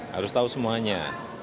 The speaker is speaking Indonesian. harus tahu semuanya